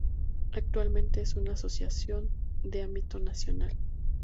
Actualmente es una asociación de ámbito nacional.